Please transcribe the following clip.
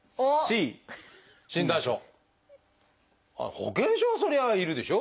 保険証はそりゃ要るでしょ。